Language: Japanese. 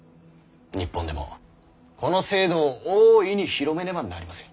日本でもこの制度を大いに広めねばなりません。